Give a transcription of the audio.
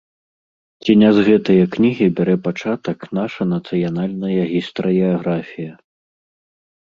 Ці не з гэтае кнігі бярэ пачатак наша нацыянальная гістарыяграфія?